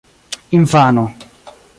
infano